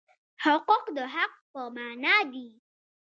حقوق د حق په مانا دي.